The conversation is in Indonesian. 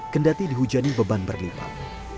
kendati dihujani beban berlipat